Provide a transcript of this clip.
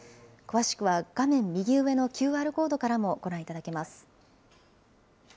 詳しくは画面右上のＱＲコードからもご覧いただけます。